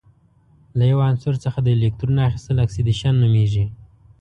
له یو عنصر څخه د الکترون اخیستل اکسیدیشن نومیږي.